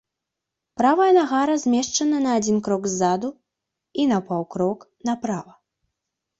Правая нага размешчана на адзін крок ззаду і на паўкрок направа.